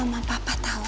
sama papa tahu